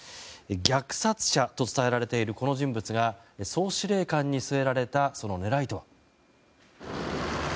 虐殺者と伝えられているこの人物が総司令官に据えられたその狙いとは。